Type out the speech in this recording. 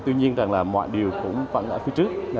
tuy nhiên rằng là mọi điều cũng vẫn ở phía trước